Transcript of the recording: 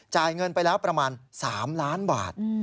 จ่ายเงินไปแล้วประมาณ๓ล้านบาท